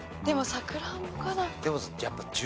さくらんぼかな？